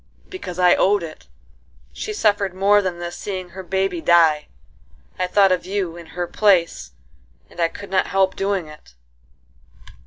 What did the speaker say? "Because I owed it;—she suffered more than this seeing her baby die;—I thought of you in her place, and I could not help doing it."